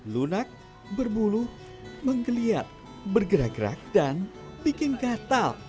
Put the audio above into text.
lunak berbulu menggeliat bergerak gerak dan bikin gatal